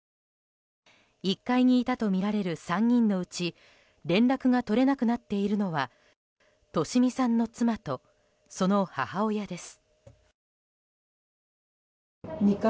１階にいたとみられる３人のうち連絡が取れなくなっているのは利美さんの妻とその母親です。